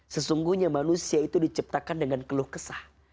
sesungguhnya manusia itu diciptakan dengan keluh kesah